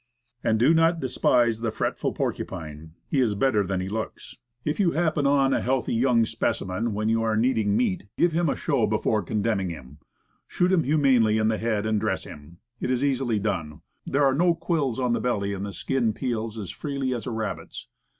And do not despise the fretful porcupine; he is better than he looks. If you happen on a healthy 108 Woodcraft. young specimen when you are needing meat, give him a show before condemning him. Shoot him humanely in the head, and dress him. It is easily done; there are no quills on the belly, and the skin peels as freely as a rabbit's.